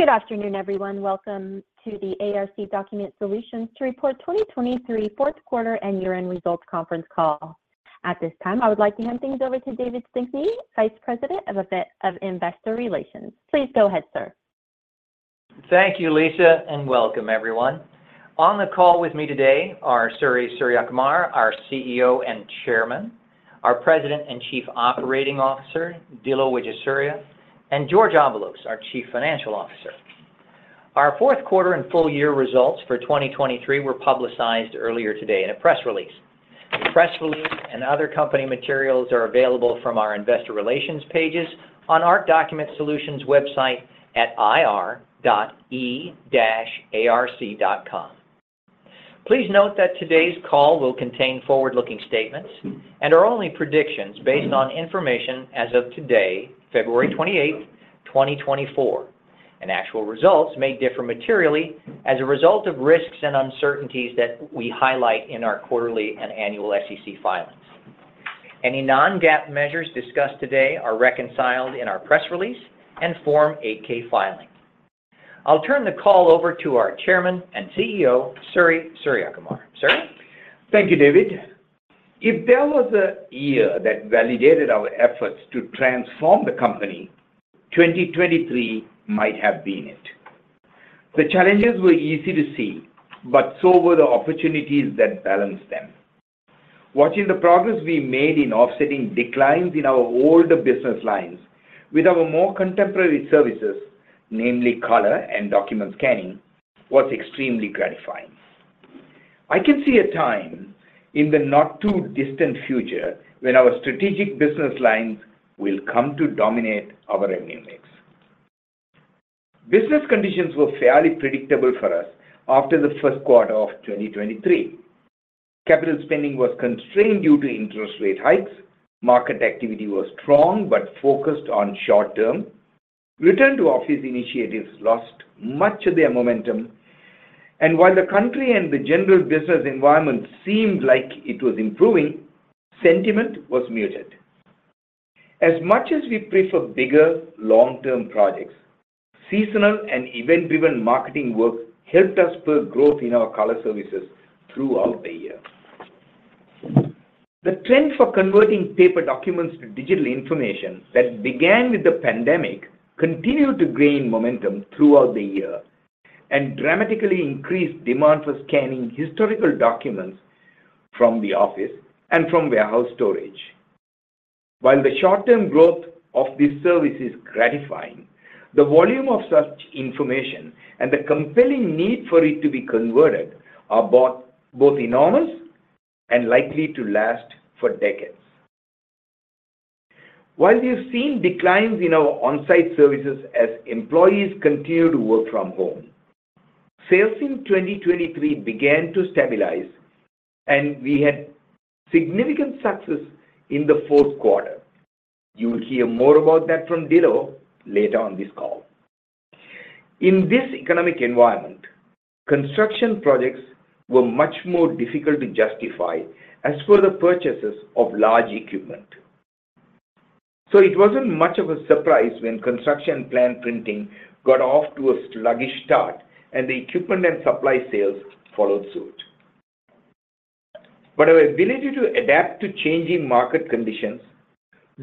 Good afternoon, everyone. Welcome to the ARC Document Solutions 2023 Fourth Quarter and Year-End Results Conference Call. At this time, I would like to hand things over to David Stickney, Vice President of Investor Relations. Please go ahead, sir. Thank you, Lisa, and welcome everyone. On the call with me today are Suri Suriyakumar, our CEO and Chairman, our President and Chief Operating Officer, Dilo Wijesuriya, and Jorge Avalos, our Chief Financial Officer. Our fourth quarter and full year results for 2023 were publicized earlier today in a press release. The press release and other company materials are available from our investor relations pages on ARC Document Solutions website at ir.arc.com. Please note that today's call will contain forward-looking statements and are only predictions based on information as of today, February 28, 2024. Actual results may differ materially as a result of risks and uncertainties that we highlight in our quarterly and annual SEC filings. Any non-GAAP measures discussed today are reconciled in our press release and Form 8-K filing. I'll turn the call over to our Chairman and CEO, Suri Suriyakumar. Suri? Thank you, David. If there was a year that validated our efforts to transform the company, 2023 might have been it. The challenges were easy to see, but so were the opportunities that balanced them. Watching the progress we made in offsetting declines in our older business lines with our more contemporary services, namely color and document scanning, was extremely gratifying. I can see a time in the not-too-distant future when our strategic business lines will come to dominate our revenue mix. Business conditions were fairly predictable for us after the first quarter of 2023. Capital spending was constrained due to interest rate hikes, market activity was strong but focused on short term, return to office initiatives lost much of their momentum, and while the country and the general business environment seemed like it was improving, sentiment was muted. As much as we prefer bigger, long-term projects, seasonal and event-driven marketing work helped us build growth in our color services throughout the year. The trend for converting paper documents to digital information that began with the pandemic continued to gain momentum throughout the year, and dramatically increased demand for scanning historical documents from the office and from warehouse storage. While the short-term growth of this service is gratifying, the volume of such information and the compelling need for it to be converted are both, both enormous and likely to last for decades. While we've seen declines in our on-site services as employees continue to work from home, sales in 2023 began to stabilize, and we had significant success in the fourth quarter. You will hear more about that from Dilo later on this call. In this economic environment, construction projects were much more difficult to justify as were the purchases of large equipment. It wasn't much of a surprise when construction plan printing got off to a sluggish start, and the equipment and supply sales followed suit. Our ability to adapt to changing market conditions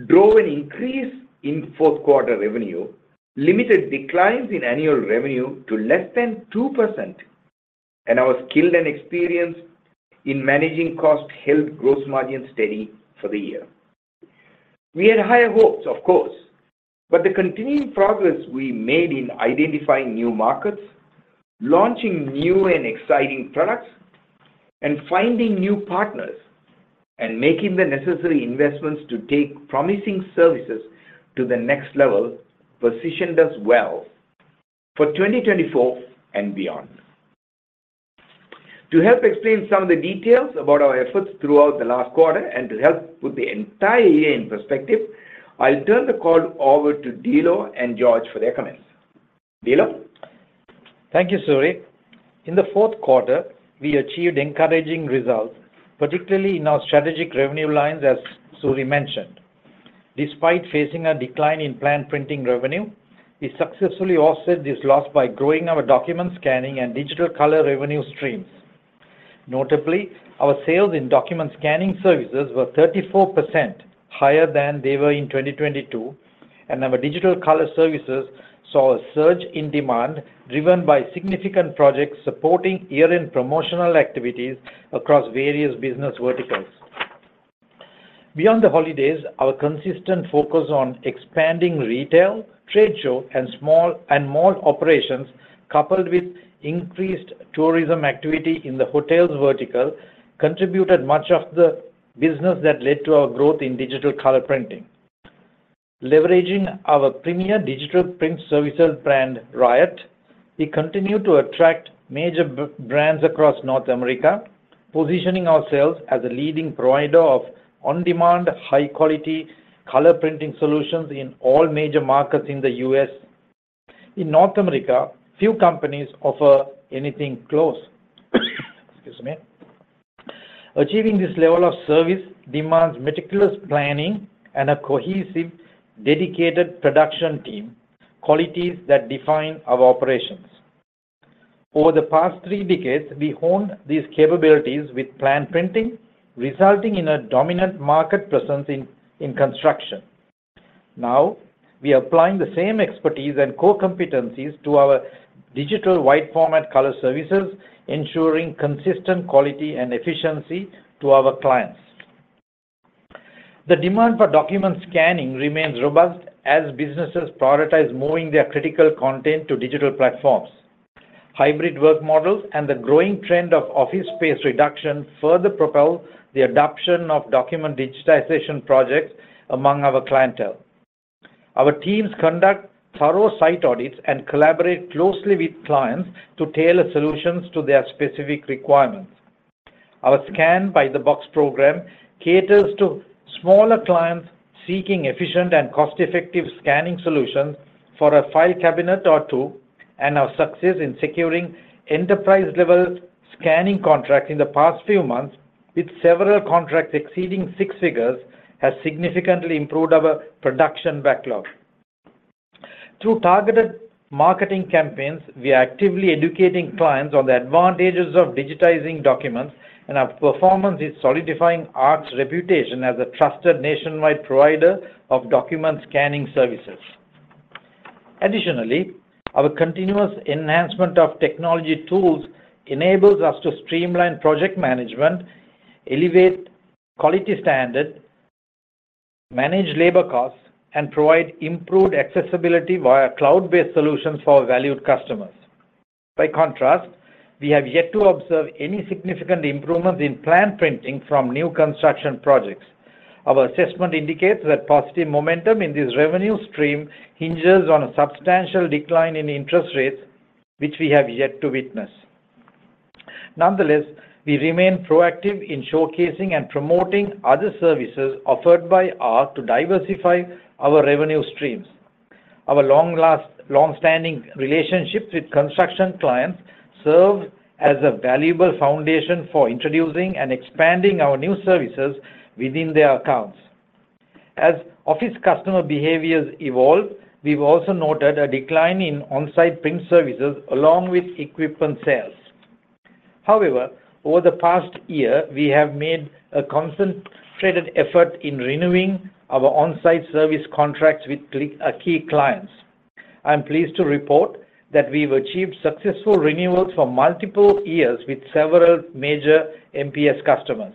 drove an increase in fourth quarter revenue, limited declines in annual revenue to less than 2%, and our skill and experience in managing costs held gross margin steady for the year. We had higher hopes, of course, but the continuing progress we made in identifying new markets, launching new and exciting products, and finding new partners, and making the necessary investments to take promising services to the next level, positioned us well for 2024 and beyond. To help explain some of the details about our efforts throughout the last quarter and to help put the entire year in perspective, I'll turn the call over to Dilo and Jorge for their comments. Dilo? Thank you, Suri. In the fourth quarter, we achieved encouraging results, particularly in our strategic revenue lines, as Suri mentioned. Despite facing a decline in planned printing revenue, we successfully offset this loss by growing our document scanning and digital color revenue streams. Notably, our sales in document scanning services were 34% higher than they were in 2022, and our digital color services saw a surge in demand driven by significant projects supporting year-end promotional activities across various business verticals. Beyond the holidays, our consistent focus on expanding retail, trade show, and small and mall operations, coupled with increased tourism activity in the hotels vertical, contributed much of the business that led to our growth in digital color printing. Leveraging our premier digital print services brand, Riot, we continue to attract major brands across North America, positioning ourselves as a leading provider of on-demand, high-quality color printing solutions in all major markets in the U.S. In North America, few companies offer anything close. Excuse me. Achieving this level of service demands meticulous planning and a cohesive, dedicated production team, qualities that define our operations. Over the past three decades, we honed these capabilities with plan printing, resulting in a dominant market presence in construction. Now, we are applying the same expertise and core competencies to our digital wide format color services, ensuring consistent quality and efficiency to our clients. The demand for document scanning remains robust as businesses prioritize moving their critical content to digital platforms. Hybrid work models and the growing trend of office space reduction further propel the adoption of document digitization projects among our clientele. Our teams conduct thorough site audits and collaborate closely with clients to tailor solutions to their specific requirements. Our Scan by the Box program caters to smaller clients seeking efficient and cost-effective scanning solutions for a file cabinet or two, and our success in securing enterprise-level scanning contracts in the past few months, with several contracts exceeding six figures, has significantly improved our production backlog. Through targeted marketing campaigns, we are actively educating clients on the advantages of digitizing documents, and our performance is solidifying ARC's reputation as a trusted nationwide provider of document scanning services. Additionally, our continuous enhancement of technology tools enables us to streamline project management, elevate quality standards, manage labor costs, and provide improved accessibility via cloud-based solutions for our valued customers. By contrast, we have yet to observe any significant improvements in plan printing from new construction projects. Our assessment indicates that positive momentum in this revenue stream hinges on a substantial decline in interest rates, which we have yet to witness. Nonetheless, we remain proactive in showcasing and promoting other services offered by ARC to diversify our revenue streams. Our long-standing relationships with construction clients serve as a valuable foundation for introducing and expanding our new services within their accounts. As office customer behaviors evolve, we've also noted a decline in on-site print services along with equipment sales. However, over the past year, we have made a concentrated effort in renewing our on-site service contracts with key clients. I'm pleased to report that we've achieved successful renewals for multiple years with several major MPS customers.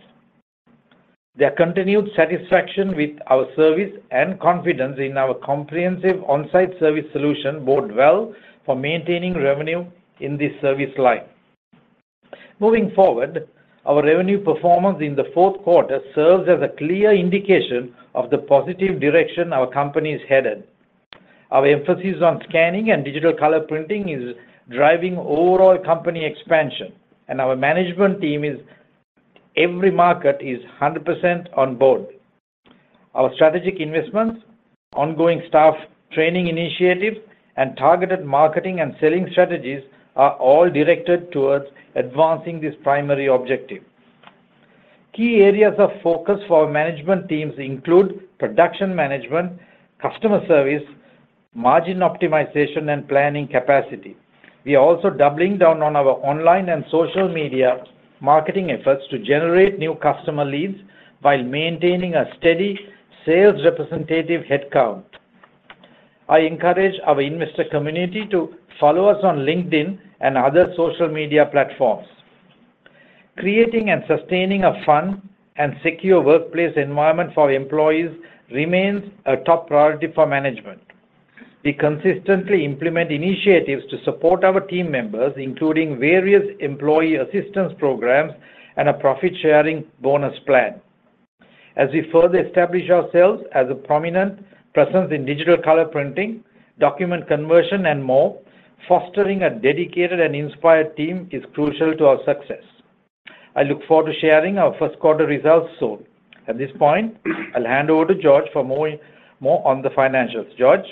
Their continued satisfaction with our service and confidence in our comprehensive on-site service solution bode well for maintaining revenue in this service line. Moving forward, our revenue performance in the fourth quarter serves as a clear indication of the positive direction our company is headed. Our emphasis on scanning and digital color printing is driving overall company expansion, and our management team is—every market is 100% on board. Our strategic investments, ongoing staff training initiatives, and targeted marketing and selling strategies are all directed towards advancing this primary objective. Key areas of focus for our management teams include production management, customer service, margin optimization, and planning capacity. We are also doubling down on our online and social media marketing efforts to generate new customer leads while maintaining a steady sales representative headcount. I encourage our investor community to follow us on LinkedIn and other social media platforms. Creating and sustaining a fun and secure workplace environment for employees remains a top priority for management. We consistently implement initiatives to support our team members, including various employee assistance programs and a profit-sharing bonus plan. As we further establish ourselves as a prominent presence in digital color printing, document conversion, and more, fostering a dedicated and inspired team is crucial to our success. I look forward to sharing our first quarter results soon. At this point, I'll hand over to Jorge for more on the financials. Jorge?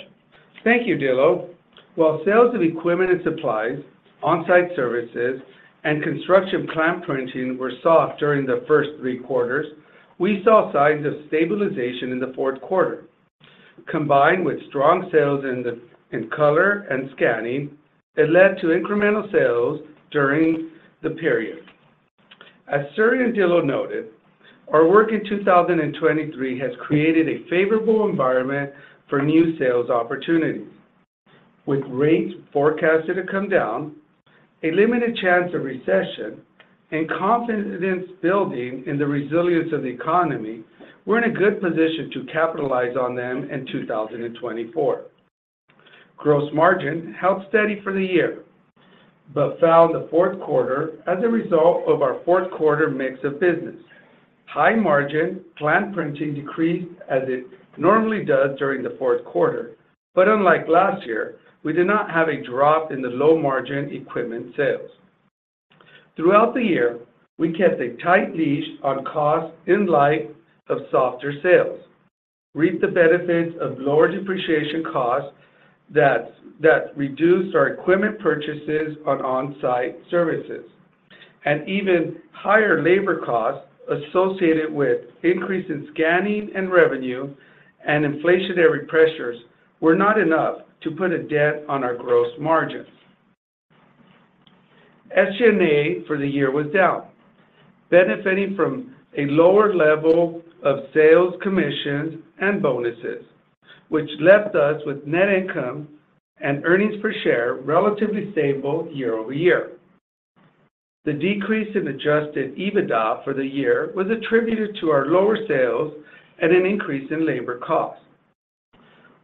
Thank you, Dilo. While sales of equipment and supplies, on-site services, and construction plan printing were soft during the first three quarters, we saw signs of stabilization in the fourth quarter. Combined with strong sales in color and scanning, it led to incremental sales during the period. As Suri and Dilo noted, our work in 2023 has created a favorable environment for new sales opportunities. With rates forecasted to come down, a limited chance of recession, and confidence building in the resilience of the economy, we're in a good position to capitalize on them in 2024. Gross margin held steady for the year, but fell in the fourth quarter as a result of our fourth quarter mix of business. High-margin plan printing decreased as it normally does during the fourth quarter, but unlike last year, we did not have a drop in the low-margin equipment sales. Throughout the year, we kept a tight leash on costs in light of softer sales, reap the benefits of lower depreciation costs that reduced our equipment purchases on on-site services. And even higher labor costs associated with increase in scanning and revenue and inflationary pressures were not enough to put a dent on our gross margins. SG&A for the year was down, benefiting from a lower level of sales commissions and bonuses, which left us with net income and earnings per share relatively stable year-over-year. The decrease in adjusted EBITDA for the year was attributed to our lower sales and an increase in labor costs.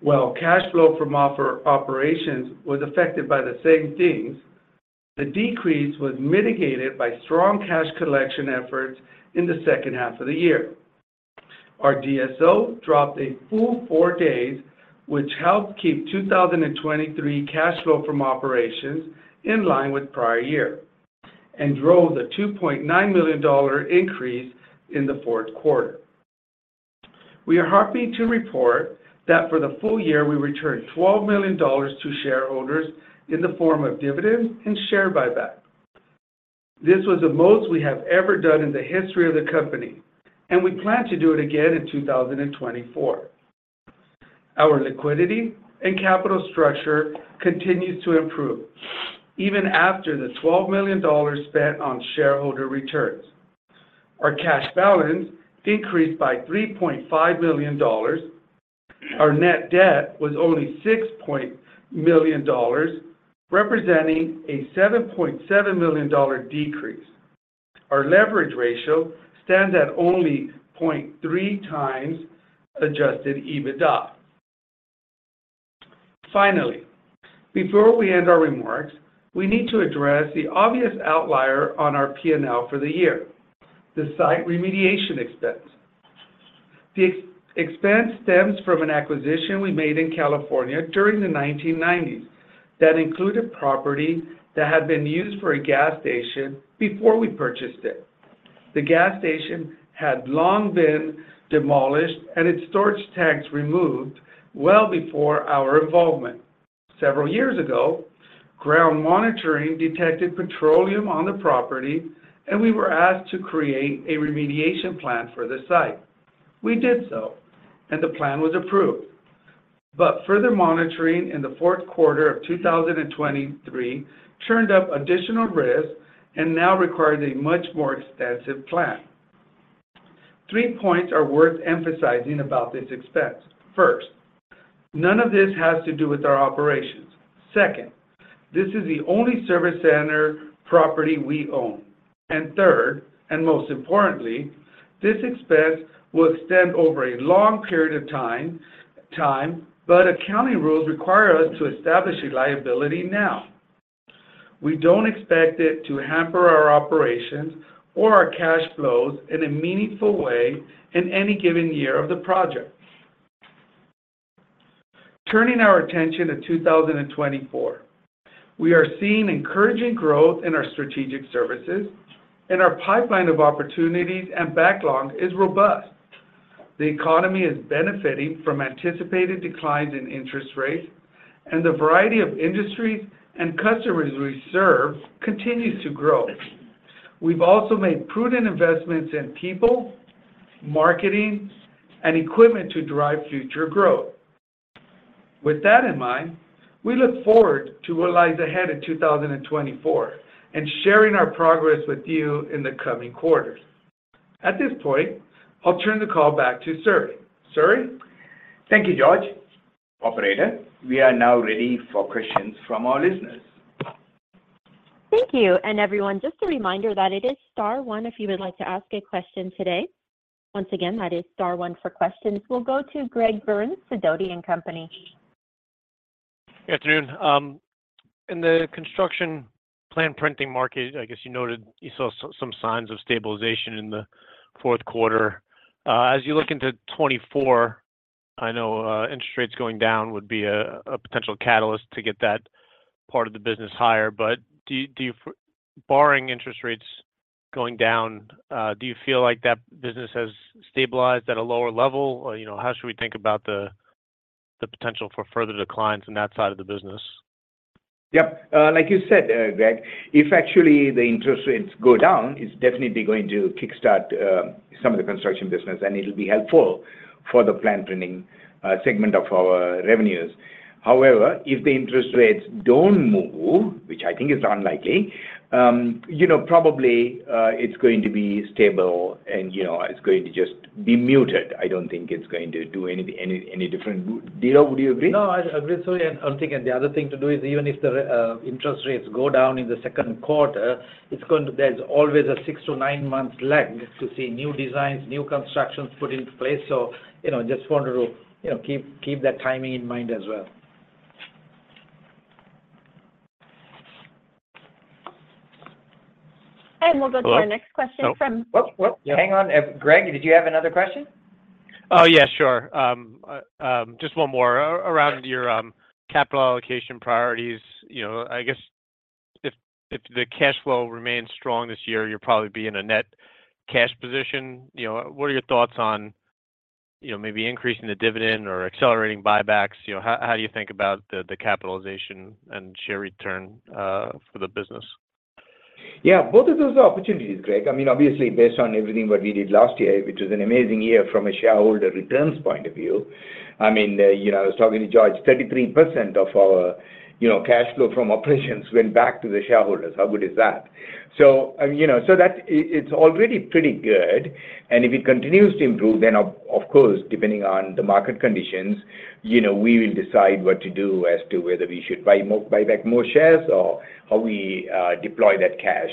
While cash flow from operations was affected by the same things, the decrease was mitigated by strong cash collection efforts in the second half of the year. Our DSO dropped a full four days, which helped keep 2023 cash flow from operations in line with prior year, and drove the $2.9 million increase in the fourth quarter. We are happy to report that for the full year, we returned $12 million to shareholders in the form of dividends and share buyback. This was the most we have ever done in the history of the company, and we plan to do it again in 2024. Our liquidity and capital structure continues to improve, even after the $12 million spent on shareholder returns. Our cash balance decreased by $3.5 million. Our net debt was only $6 million, representing a $7.7 million decrease. Our leverage ratio stands at only 0.3 times adjusted EBITDA. Finally, before we end our remarks, we need to address the obvious outlier on our P&L for the year: the site remediation expense. The expense stems from an acquisition we made in California during the 1990s, that included property that had been used for a gas station before we purchased it. The gas station had long been demolished and its storage tanks removed well before our involvement. Several years ago, ground monitoring detected petroleum on the property, and we were asked to create a remediation plan for the site. We did so, and the plan was approved. But further monitoring in the fourth quarter of 2023 turned up additional risks and now requires a much more extensive plan. Three points are worth emphasizing about this expense. First, none of this has to do with our operations. Second, this is the only service center property we own. And third, and most importantly, this expense will extend over a long period of time, but accounting rules require us to establish a liability now. We don't expect it to hamper our operations or our cash flows in a meaningful way in any given year of the project. Turning our attention to 2024, we are seeing encouraging growth in our strategic services, and our pipeline of opportunities and backlog is robust. The economy is benefiting from anticipated declines in interest rates, and the variety of industries and customers we serve continues to grow. We've also made prudent investments in people, marketing, and equipment to drive future growth. With that in mind, we look forward to what lies ahead in 2024, and sharing our progress with you in the coming quarters. At this point, I'll turn the call back to Suri. Suri? Thank you, Jorge. Operator, we are now ready for questions from our listeners. Thank you. Everyone, just a reminder that it is star one if you would like to ask a question today. Once again, that is star one for questions. We'll go to Greg Burns, Sidoti & Company. Good afternoon. In the construction plan printing market, I guess you noted you saw some signs of stabilization in the fourth quarter. As you look into 2024, I know, interest rates going down would be a potential catalyst to get that part of the business higher. But do you, barring interest rates going down, do you feel like that business has stabilized at a lower level? Or, you know, how should we think about the potential for further declines in that side of the business? Yep. Like you said, Greg, if actually the interest rates go down, it's definitely going to kickstart some of the construction business, and it'll be helpful for the plan printing segment of our revenues. However, if the interest rates don't move, which I think is unlikely, you know, probably it's going to be stable and, you know, it's going to just be muted. I don't think it's going to do any different. Dilo, would you agree? No, I agree, Suri, and I think, and the other thing to do is even if the interest rates go down in the second quarter, it's going to. There's always a 6- to 9-month lag to see new designs, new constructions put into place. So, you know, just wanted to, you know, keep, keep that timing in mind as well. We'll go to our next question from- Whoa, whoa. Hang on. Greg, did you have another question? Oh, yeah, sure. Just one more. Around your capital allocation priorities, you know, I guess if the cash flow remains strong this year, you'll probably be in a net cash position. You know, what are your thoughts on, you know, maybe increasing the dividend or accelerating buybacks? You know, how do you think about the capitalization and share return for the business? Yeah, both of those are opportunities, Greg. I mean, obviously, based on everything what we did last year, which was an amazing year from a shareholder returns point of view, I mean, you know, I was talking to Jorge, 33% of our, you know, cash flow from operations went back to the shareholders. How good is that? So, I mean, you know, so that it- it's already pretty good, and if it continues to improve, then of, of course, depending on the market conditions, you know, we will decide what to do as to whether we should buy more buy back more shares or how we deploy that cash.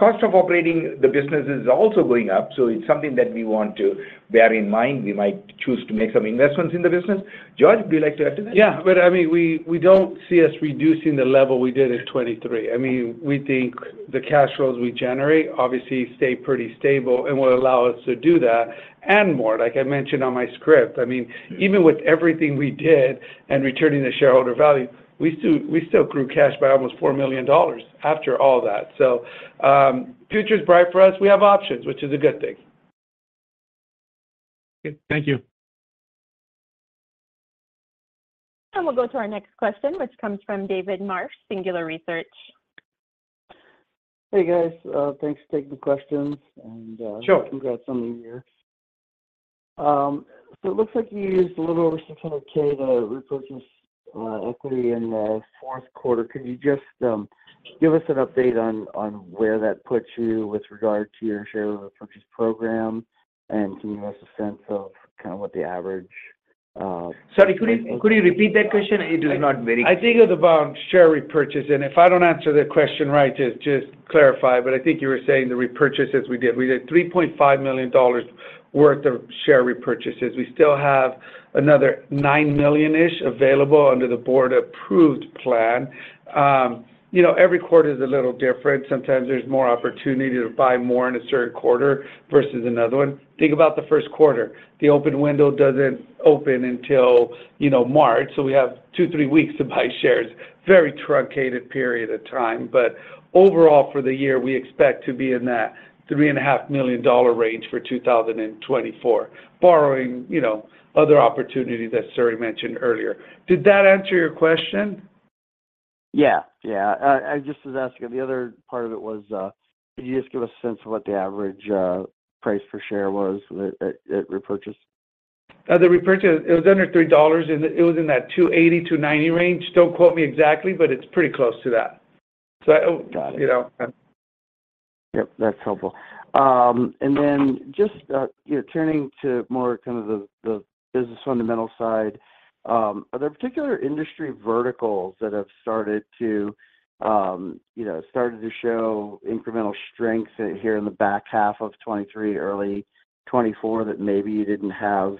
Cost of operating the business is also going up, so it's something that we want to bear in mind. We might choose to make some investments in the business. Jorge, would you like to add to that? Yeah, but I mean, we don't see us reducing the level we did in 2023. I mean, we think the cash flows we generate obviously stay pretty stable and will allow us to do that and more. Like I mentioned on my script, I mean, even with everything we did and returning the shareholder value, we still grew cash by almost $4 million after all that. So, future's bright for us. We have options, which is a good thing. Okay, thank you. We'll go to our next question, which comes from David Marsh, Singular Research. Hey, guys. Thanks for taking the questions, and- Sure. Congrats on the year. So it looks like you used a little over $600,000 to repurchase equity in the fourth quarter. Could you just give us an update on where that puts you with regard to your share repurchase program? And can you give us a sense of kind of what the average, Sorry, could you, could you repeat that question? It is not very clear. I think it was about share repurchase, and if I don't answer the question right, just, just clarify, but I think you were saying the repurchases we did. We did $3.5 million worth of share repurchases. We still have another $9 million-ish available under the board-approved plan. You know, every quarter is a little different. Sometimes there's more opportunity to buy more in a certain quarter versus another one. Think about the first quarter. The open window doesn't open until, you know, March, so we have two, three weeks to buy shares. Very truncated period of time. But overall, for the year, we expect to be in that $3.5 million range for 2024, barring, you know, other opportunities that Suri mentioned earlier. Did that answer your question? Yeah. Yeah. I just was asking, the other part of it was, could you just give a sense of what the average price per share was that it repurchased? The repurchase, it was under $3, and it was in that $2.80-$2.90 range. Don't quote me exactly, but it's pretty close to that. So I- Got it. You know? Yep, that's helpful. And then just, you know, turning to more kind of the business fundamental side, are there particular industry verticals that have started to, you know, show incremental strength here in the back half of 2023, early 2024, that maybe you didn't have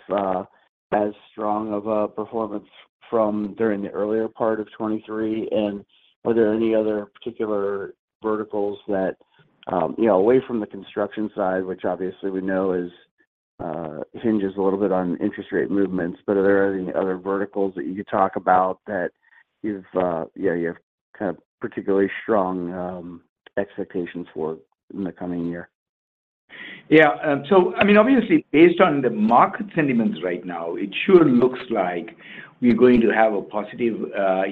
as strong of a performance from during the earlier part of 2023? And are there any other particular verticals that, you know, away from the construction side, which obviously we know hinges a little bit on interest rate movements, but are there any other verticals that you could talk about that you have kind of particularly strong expectations for in the coming year? Yeah, so I mean, obviously, based on the market sentiments right now, it sure looks like we're going to have a positive,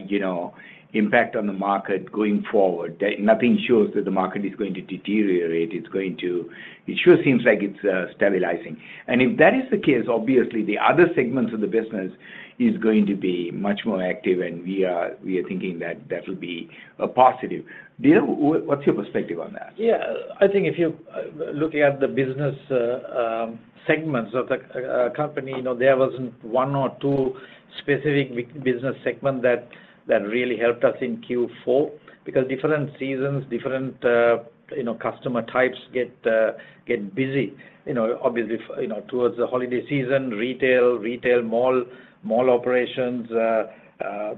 you know, impact on the market going forward. That nothing shows that the market is going to deteriorate, it's going to It sure seems like it's stabilizing. And if that is the case, obviously, the other segments of the business is going to be much more active, and we are thinking that that will be a positive. Dilo, what's your perspective on that? Yeah. I think if you looking at the business segments of the company, you know, there wasn't one or two specific business segment that really helped us in Q4, because different seasons, different you know customer types get busy. You know, obviously you know towards the holiday season, retail mall operations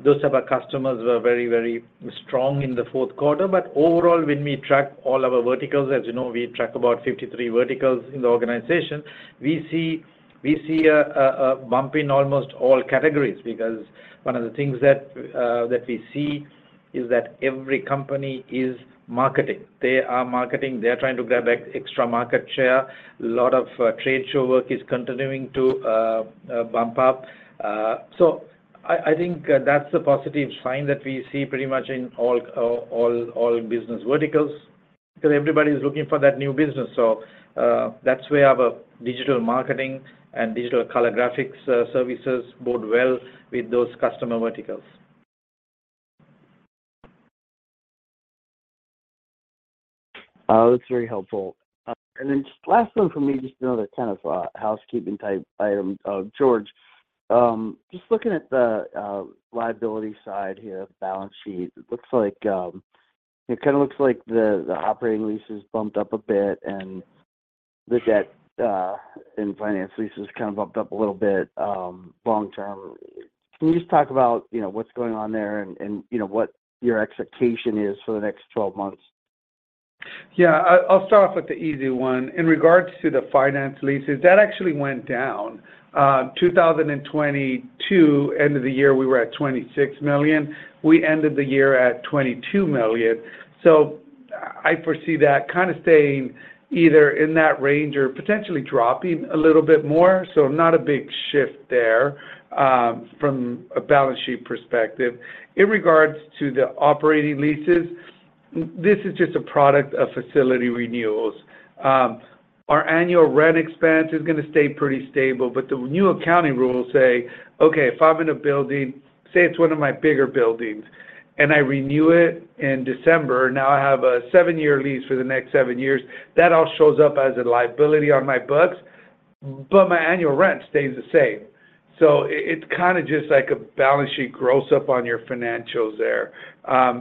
those type of customers were very very strong in the fourth quarter. But overall, when we track all our verticals, as you know, we track about 53 verticals in the organization, we see a bump in almost all categories, because one of the things that we see is that every company is marketing. They are marketing, they are trying to grab back extra market share. A lot of trade show work is continuing to bump up. So, I think that's a positive sign that we see pretty much in all business verticals, because everybody's looking for that new business. So, that's where our digital marketing and digital color graphics services bode well with those customer verticals. That's very helpful. And then just last one for me, just another kind of housekeeping type item. Jorge, just looking at the liability side here, balance sheet, it looks like it kind of looks like the operating leases bumped up a bit and the debt and finance leases kind of bumped up a little bit, long term. Can you just talk about, you know, what's going on there and you know, what your expectation is for the next 12 months? Yeah, I, I'll start off with the easy one. In regards to the finance leases, that actually went down. Two thousand and twenty-two, end of the year, we were at $26 million. We ended the year at $22 million. So I, I foresee that kind of staying either in that range or potentially dropping a little bit more, so not a big shift there, from a balance sheet perspective. In regards to the operating leases, this is just a product of facility renewals. Our annual rent expense is gonna stay pretty stable, but the new accounting rules say, okay, if I'm in a building, say it's one of my bigger buildings, and I renew it in December, now I have a 7-year lease for the next 7 years. That all shows up as a liability on my books, but my annual rent stays the same. So it's kind of just like a balance sheet gross up on your financials there.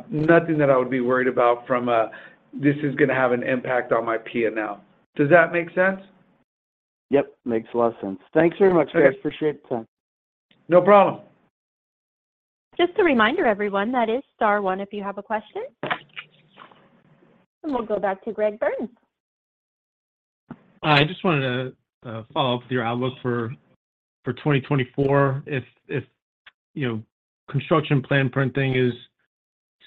Nothing that I would be worried about from a, "This is gonna have an impact on my P&L." Does that make sense? Yep, makes a lot of sense. Thanks very much, guys. Appreciate the time. No problem. Just a reminder, everyone, that is star one if you have a question. We'll go back to Greg Burns. I just wanted to follow up with your outlook for 2024. If, you know, construction plan printing is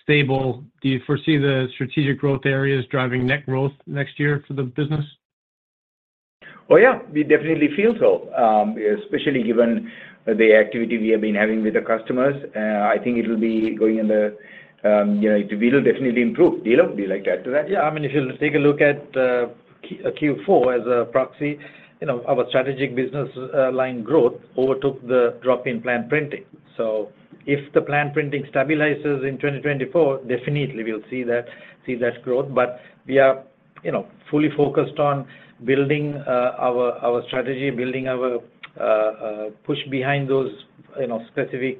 stable, do you foresee the strategic growth areas driving net growth next year for the business? Well, yeah, we definitely feel so, especially given the activity we have been having with the customers. I think it'll be going in the, you know, it will definitely improve. Dilo, would you like to add to that? Yeah, I mean, if you take a look at Q4 as a proxy, you know, our strategic business line growth overtook the drop in plan printing. So if the plan printing stabilizes in 2024, definitely we'll see that growth. But we are, you know, fully focused on building our strategy, building our push behind those, you know, specific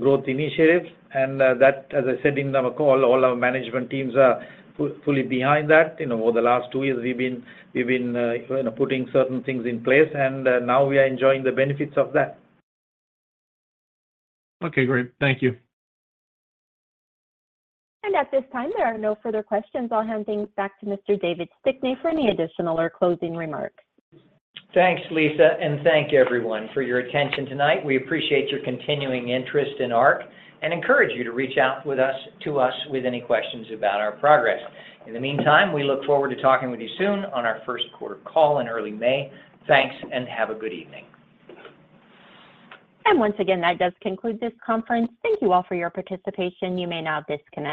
growth initiatives. And that, as I said in our call, all our management teams are fully behind that. You know, over the last two years, we've been putting certain things in place, and now we are enjoying the benefits of that. Okay, great. Thank you. At this time, there are no further questions. I'll hand things back to Mr. David Stickney for any additional or closing remarks. Thanks, Lisa. Thank you, everyone, for your attention tonight. We appreciate your continuing interest in ARC and encourage you to reach out to us with any questions about our progress. In the meantime, we look forward to talking with you soon on our first quarter call in early May. Thanks, and have a good evening. Once again, that does conclude this conference. Thank you all for your participation. You may now disconnect.